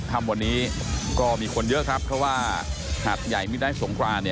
ทำวันนี้ก็มีคนเยอะครับเพราะว่าหาดใหญ่มิได้สงคราน